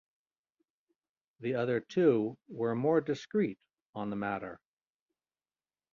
The other two were more discreet on the matter.